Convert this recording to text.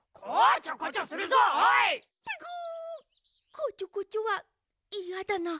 こちょこちょはいやだな。